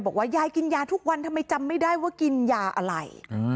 บอกว่ายายกินยาทุกวันทำไมจำไม่ได้ว่ากินยาอะไร